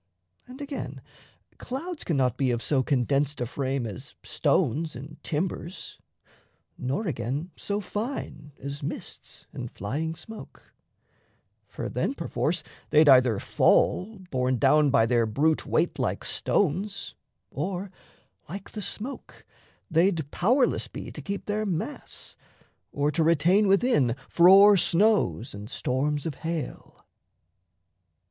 And, again, Clouds cannot be of so condensed a frame As stones and timbers, nor again so fine As mists and flying smoke; for then perforce They'd either fall, borne down by their brute weight, Like stones, or, like the smoke, they'd powerless be To keep their mass, or to retain within Frore snows and storms of hail.